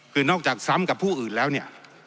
คือนอกจากซ้ำกับผู้อื่นแล้วเนี่ย